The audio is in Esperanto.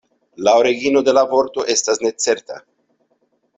La origino de la vorto estas necerta.